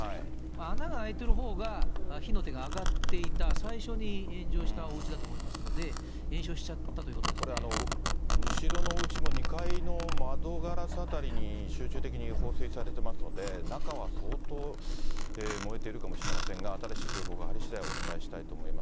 穴が開いてるほうが、火の手が上がっていた、最初に炎上したおうちだと思いますので、これ、後ろのおうちも２階の窓ガラスあたりに集中的に放水されてますので、中は相当、燃えているかもしれませんが、新しい情報が入りしだい、お伝えしたいと思います。